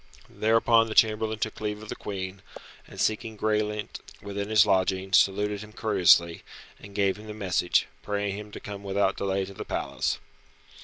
Thereupon the chamberlain took leave of the Queen, and seeking Graelent within his lodging saluted him courteously, and gave him the message, praying him to come without delay to the palace.